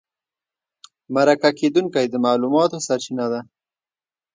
مرکه کېدونکی د معلوماتو سرچینه ده.